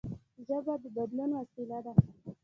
ژبه د بدلون وسیله ده.